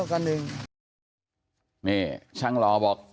บ่อยบ่อย